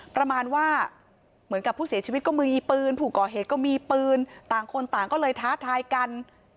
ประมาณว่าเหมือนกับผู้เสียชีวิตก็มีปืน